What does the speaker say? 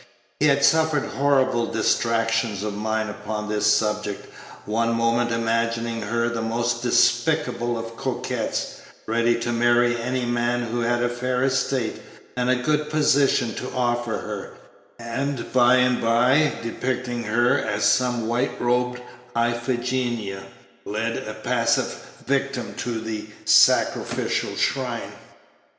He had suffered horrible distractions of mind upon this subject, one moment imagining her the most despicable of coquettes, ready to marry any man who had a fair estate and a good position to offer her, and by and by depicting her as some white robed Iphigenia, led a passive victim to the sacrificial shrine.